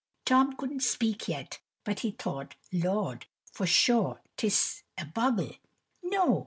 Tom couldn't speak yet, but he thought; "Lord! for sure 't is a bogle!" "No!"